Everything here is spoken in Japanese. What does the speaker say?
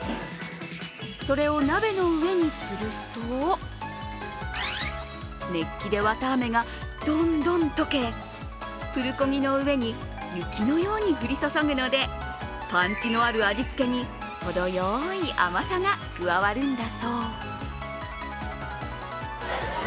それを鍋の上につるすと熱気で綿あめがどんどん溶けプルコギの上に雪のように降り注ぐので、パンチのある味つけにほどよい甘さが加わるんだそう。